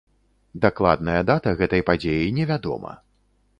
Дакладная дата гэтай падзеі не вядома.